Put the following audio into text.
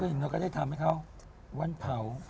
ก็ยังได้ทำให้เค้าวันเผา